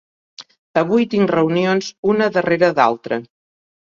Avui tinc reunions una darrere d'altra.